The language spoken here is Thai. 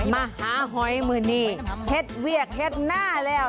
มาหาหอยหมื่นนี้เห็ดเวียกเห็ดหน้าแล้ว